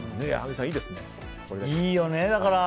いいよね。